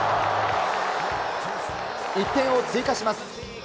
１点を追加します。